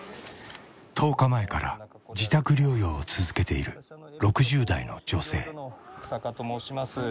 １０日前から自宅療養を続けている６０代の女性。